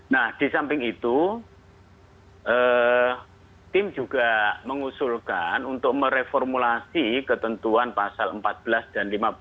nah di samping itu tim juga mengusulkan untuk mereformulasi ketentuan pasal empat belas dan lima belas